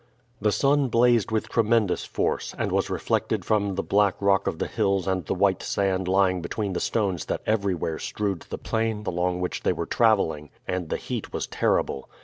The sun blazed with tremendous force, and was reflected from the black rock of the hills and the white sand lying between the stones that everywhere strewed the plain along which they were traveling, and the heat was terrible.